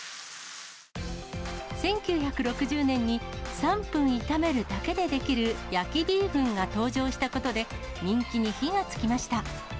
１９６０年に３分炒めるだけで出来る焼きビーフンが登場したことで、人気に火がつきました。